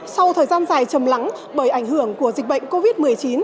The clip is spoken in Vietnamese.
sau thời gian dài chầm lắng bởi ảnh hưởng của dịch bệnh covid một mươi chín